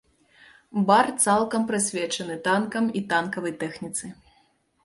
Бар цалкам прысвечаны танкам і танкавай тэхніцы.